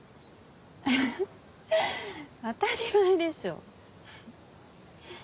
フフッ当たり前でしょ。